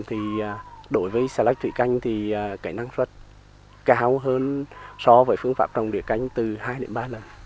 thì đối với xà lách thủy canh thì cái năng suất cao hơn so với phương pháp trồng đỉa canh từ hai đến ba lần